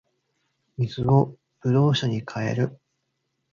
水を葡萄酒に変える